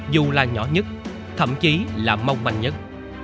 dù là nhỏ nhất thậm chí là mong manh nhất